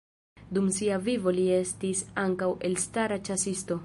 Dum sia vivo li estis ankaŭ elstara ĉasisto.